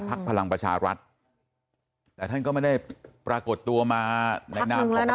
พลังประชารัฐแต่ท่านก็ไม่ได้ปรากฏตัวมาในนามของ